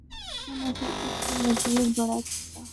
اُناں سنڑ اس کو مزید بڑا کیتا۔